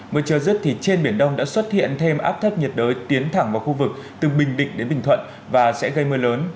mưa trơ dứt thì trên biển đông đã xuất hiện thêm áp thấp nhiệt đới tiến thẳng vào khu vực từ bình định đến bình thuận và sẽ gây mưa lớn